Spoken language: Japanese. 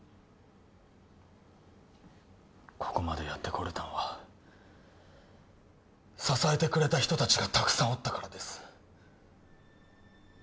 ここまでやってこれたんは支えてくれた人達がたくさんおったからです